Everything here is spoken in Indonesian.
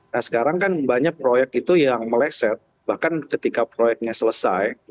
nah sekarang kan banyak proyek itu yang meleset bahkan ketika proyeknya selesai